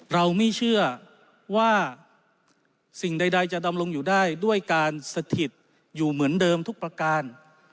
เราไม่เชื่อว่าสิ่งใดจะดำรงอยู่ได้ด้วยการสถิตอยู่เหมือนเดิมทุกประการ